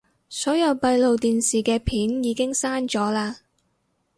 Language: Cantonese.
所有閉路電視嘅片已經刪咗喇